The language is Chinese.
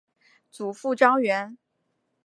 祖父张员。